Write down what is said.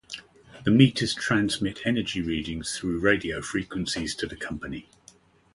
The meters transmit energy readings through radio frequencies to the company.